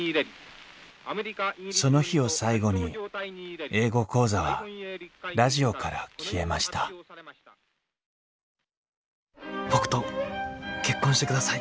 その日を最後に「英語講座」はラジオから消えました僕と結婚してください。